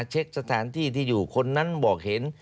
เช็คสถานที่ที่อยู่คนนั้นบอกเห็น